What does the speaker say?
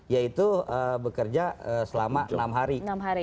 yaitu bekerja selama enam hari